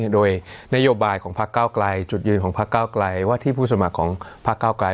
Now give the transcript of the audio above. โดยนโยบายของพักเก้าไกลจุดยืนของพักเก้าไกลว่าที่ผู้สมัครของพักเก้าไกล